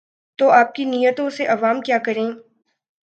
تو آپ کی نیتوں سے عوام کیا کریں؟